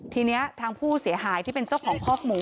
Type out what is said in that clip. ทีนี้ทางผู้เสียหายที่เป็นเจ้าของคอกหมู